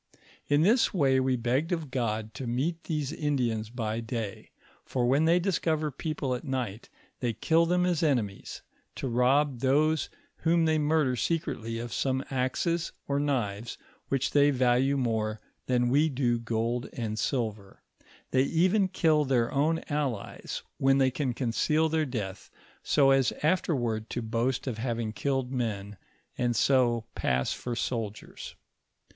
In this way we begged of God to meet these Indians by day, for when they discover people at night, they kill them as enemies, to rob those whom they murder secretly of some axes or knives which they valne more than we do gold and silver; they even kill their own allies, when they can conceal their death, so as afterward to boast of having killed men, and so pass for soldiers.